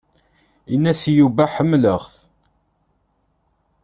Ini-as i Yuba ḥemmleɣ-t.